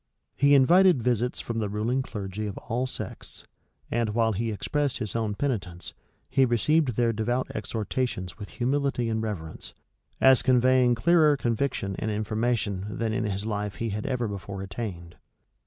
He invited visits from the ruling clergy of all sects; and while he expressed his own penitence, he received their devout exhortations with humility and reverence, as conveying clearer conviction and information than in his life he had ever before attained.